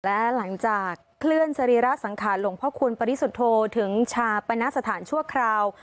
และหลังจากเคลื่อนสรีระสังขารหลวงพ่อคุณปริสุทธโธถึงชาปณสถานชั่วคราว